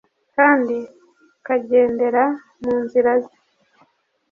kandi ukagendera mu nzira ze,